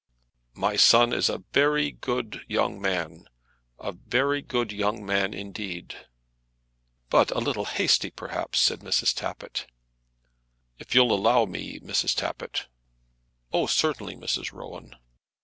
"My son is a very good young man, a very good young man indeed." "But a little hasty, perhaps," said Mrs. Tappitt. "If you'll allow me, Mrs. Tappitt." "Oh, certainly, Mrs. Rowan."